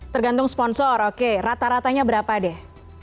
tergantung sponsor oke rata ratanya berapa deh